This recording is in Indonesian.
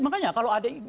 misalnya kalau ada